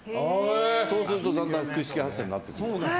そうするとだんだん腹式発声になってくる。